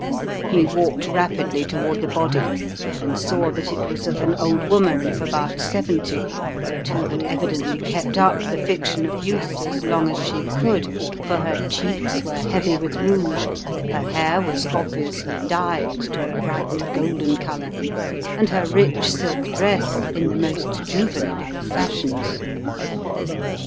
He walked rapidly toward the body and saw that it was of an old woman of about seventy but who had evidently kept up the fiction of youth as long as she could, for her cheeks were heavy with rouge, her The Homecoming 23 hair was obviously dyed to a bright golden colour and her rich silk dress in the most juvenile of fash ions.